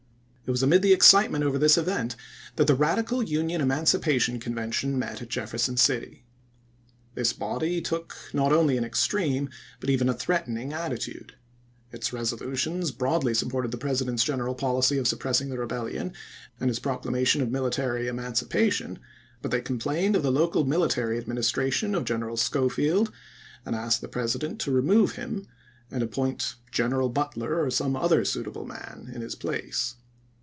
It was amid the excitement over this event that the Radical Union Emancipation Convention met at Jefferson City. This body took not only an extreme, but even a threatening, attitude. Its resolutions broadly supported the President's gen MISSOUEI RADICALS AND CONSERVATIVES 213 eral policy of suppressing the rebellion and his chap.viii. proclamation of military emancipation; but they complained of the local military administration of General Schofleld, and asked the President to remove him and appoint " General Butler or some other suitable man " in his place.